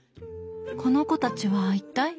この子たちは一体？